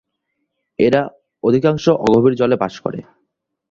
এরা অধিকাংশ অগভীর জলে বসবাস করে।